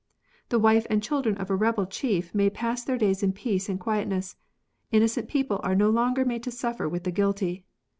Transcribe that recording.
The wife and children of a rebel chief may pass their days in peace and quietness ; innocent people are no longer made to suffer with the guilty.